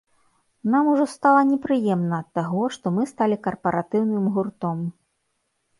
Нам ужо стала непрыемна ад таго, што мы сталі карпаратыўным гуртом.